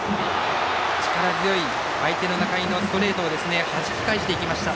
力強い相手の仲井のストレートをはじき返していきました。